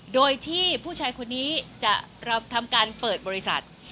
โดยที่ผู้ชายคนนี้จะทำการเปิดบริษัท